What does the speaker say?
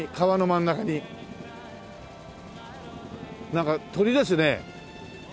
なんか鳥ですね。